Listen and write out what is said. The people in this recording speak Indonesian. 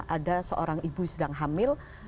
ada seorang ibu sedang hamil